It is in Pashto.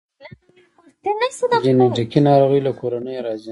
جنیټیکي ناروغۍ له کورنۍ راځي